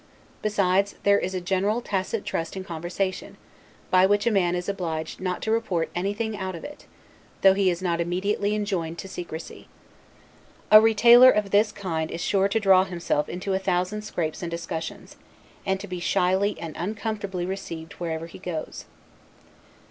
Besides, there is a general tacit trust in conversation, by which a man is obliged not to report anything out of it, though he is not immediately enjoined to secrecy. A retailer of this kind is sure to draw himself into a thousand scrapes and discussions, and to be shyly and uncomfortably received wherever he goes.